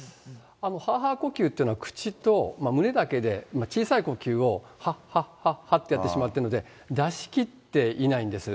はぁはぁ呼吸というのは口と胸だけで小さい呼吸を、はっはっはってやってしまってるんで、出し切っていないんです。